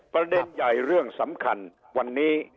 ประเด็นใหญ่เรื่องสำคัญวันนี้